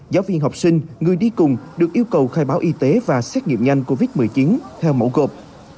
giáo viên học sinh người đi cùng được yêu cầu khai báo y tế và xét nghiệm nhanh covid một mươi chín theo mẫu gộp